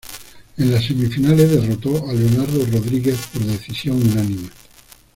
En las semifinales, derrotó a Leonardo Rodríguez por decisión unánime.